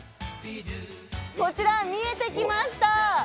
こちら見えてきました。